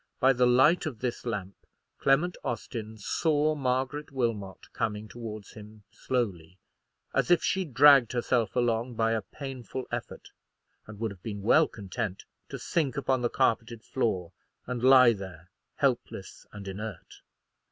By the light of this lamp, Clement Austin saw Margaret Wilmot coming towards him slowly: as if she dragged herself along by a painful effort, and would have been well content to sink upon the carpeted floor and lie there helpless and inert.